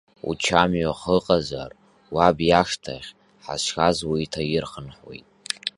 Учамҩахә ыҟазар, уаб иашҭахь, ҳазшаз уеиҭаирхынҳәуеит!